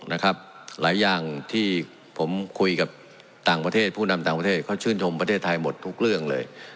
หลายอย่างที่ผมคุยกับต่างประเทศผู้นำต่างประเทศเขาชื่นชมประเทศไทยหมดทุกเรื่องเลย